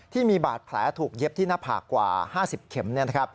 ที่มีบาดแผลถูกเย็บที่หน้าผากกว่า๕๐เข็ม